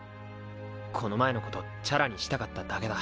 この前のことチャラにしたかっただけだ。